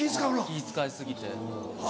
気ぃ使い過ぎて。